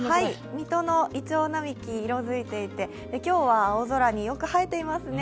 水戸のいちょう並木、色づいていて、今日は青空によく映えていますね。